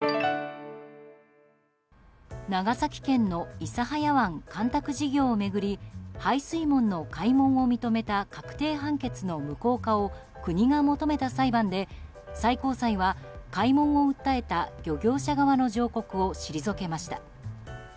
長崎県の諫早湾干拓事業を巡り排水門の開門を認めた確定判決の無効化を国が求めた裁判で最高裁は開門を訴えた漁業者側の上告を退けました。